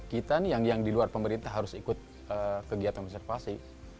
kita yang di luar pemerintah harus ikut kegiatan konservasi